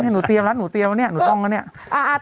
นี่หนูเตรียมแล้วหนูเตรียมแล้วเนี่ยหนูต้องแล้วเนี่ย